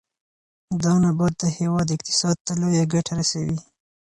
دا نبات د هېواد اقتصاد ته لویه ګټه رسوي.